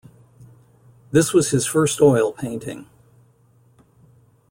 This was his first oil painting.